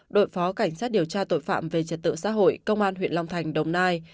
đội phó cảnh sát điều tra tội phạm về trật tự xã hội công an huyện long thành đồng nai